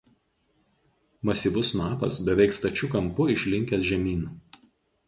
Masyvus snapas beveik stačiu kampu išlinkęs žemyn.